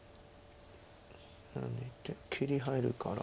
抜いて切り入るから。